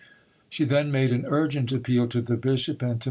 She then made an urgent appeal to the bishop and to M.